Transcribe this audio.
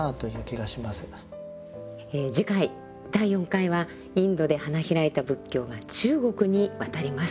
次回第４回はインドで花開いた仏教が中国に渡ります。